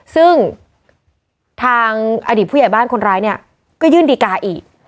ซึ่งทางอดีตผู้ใหญ่บ้านคนร้ายเนี่ยก็ยื่นดีกาอีก